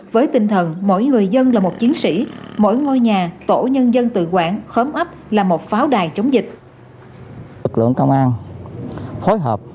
với tinh thần mỗi người dân là một chiến sĩ mỗi ngôi nhà tổ nhân dân tự quản khớm ấp là một pháo đài chống dịch